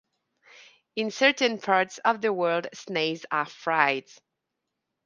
In certain parts of the world, snails are fried.